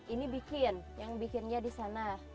ini bikin yang bikinnya di sana